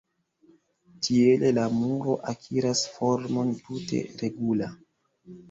Tiele la muro akiras formon tute regula.